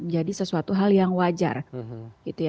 jadi sesuatu hal yang wajar gitu ya